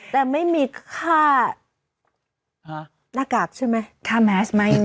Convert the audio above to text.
แต่ไม่มีค่าหน้ากากใช่ไหมค่าแมสไหม